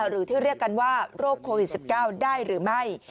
หรือที่เรียกกันว่าโรคโควิด๑๙ได้หรือไม่